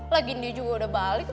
lagian dia juga udah balik tuh